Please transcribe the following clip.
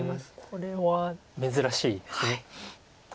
これは珍しいです。